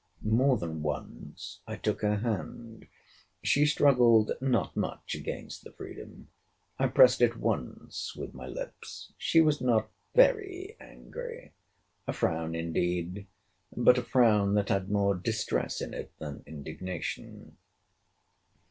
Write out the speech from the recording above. More than once I took her hand. She struggled not much against the freedom. I pressed it once with my lips—she was not very angry. A frown indeed—but a frown that had more distress in it than indignation.